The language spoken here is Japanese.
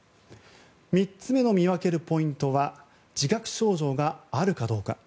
３つ目の見分けるポイントは自覚症状があるかどうか。